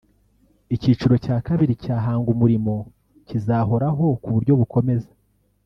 Icyiciro cya kabiri cya Hanga Umurimo cyizahoraho ku buryo bukomeza